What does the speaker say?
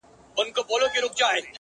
ګنهكاره سوه سورنا، ږغ د ډولونو!